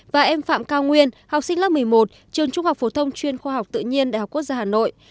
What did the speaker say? và em phạm cao nguyên học sinh lớp một mươi một trường trung học phổ thông chuyên khoa học tự nhiên đhq hà nội